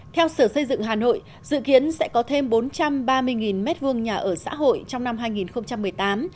theo sở xây dựng hà nội dự kiến sẽ có thêm bốn trăm ba mươi m hai nhà ở xã hội trong năm hai nghìn một mươi tám